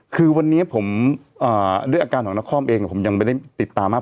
คือวันนี้ผมด้วยอาการของนครเองผมยังไม่ได้ติดตามมาก